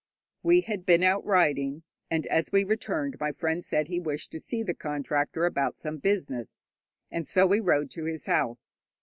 We had been out riding, and as we returned my friend said he wished to see the contractor about some business, and so we rode to his house.